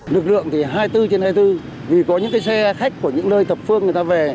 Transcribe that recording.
lực lượng thì hai mươi bốn trên hai mươi bốn vì có những cái xe khách của những nơi thập phương người ta về